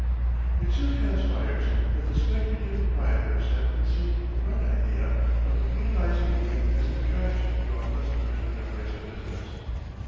It soon transpires that the speculative proprietors have conceived the bright idea of utilizing me as an attraction to draw customers to their place of business.